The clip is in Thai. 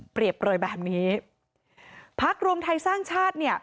โปรยแบบนี้พักรวมไทยสร้างชาติเนี่ย